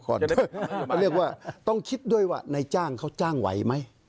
เขาเรียกว่าต้องคิดด้วยว่านายจ้างเขาจ้างไหวไหม